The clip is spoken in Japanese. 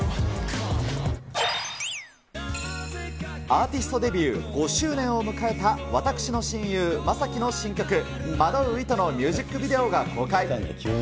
アーティストデビュー５周年を迎えた私の親友、将暉の新曲、惑う糸のミュージックビデオが公開。